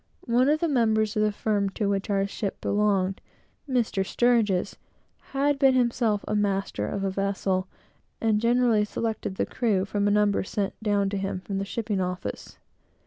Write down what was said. One of the members of the firm to which our ship belonged, Mr. S , had been himself a master of a vessel, and generally selected the crew from a number sent down to him from the shipping office.